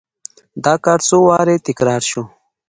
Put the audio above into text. دا کار څو وارې تکرار شو.